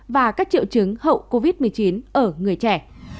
và các triệu chứng hậu covid một mươi chín ở người trẻ